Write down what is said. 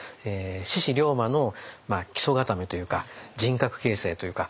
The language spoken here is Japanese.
志士龍馬の基礎固めというか人格形成というか。